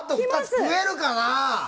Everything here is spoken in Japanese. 食えるかな？